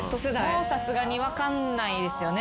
もうさすがに分かんないですよね